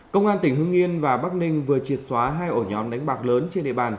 công an tỉnh hưng yên và bắc ninh vừa triệt xóa hai ổ nhóm đánh bạc lớn trên địa bàn